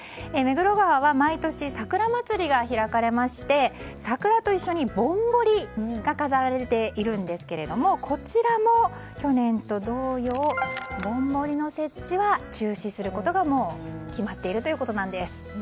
目黒川は毎年桜まつりが開かれまして桜と一緒にぼんぼりが飾られているんですがこちらも去年と同様ぼんぼりの設置は中止することがもう決まっているということです。